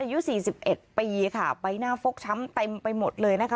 อายุสี่สิบเอ็ดปีค่ะใบหน้าฟกช้ำเต็มไปหมดเลยนะคะ